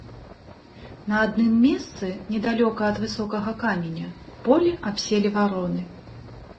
На адным месцы, недалёка ад высокага каменя, поле абселі вароны.